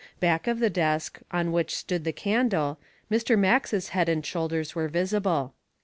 Back of the desk, on which stood the candle, Mr. Max's head and shoulders were visible.